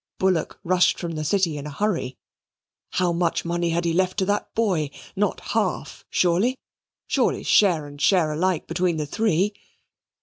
Bullock rushed from the City in a hurry. "How much money had he left to that boy? Not half, surely? Surely share and share alike between the three?"